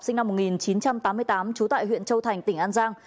sinh năm một nghìn chín trăm tám mươi tám trú tại huyện châu thành tỉnh an giang